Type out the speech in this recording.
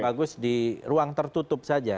bagus di ruang tertutup saja